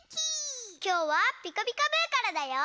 きょうは「ピカピカブ！」からだよ。